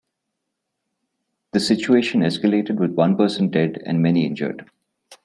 The situation escalated with one person dead and many injured.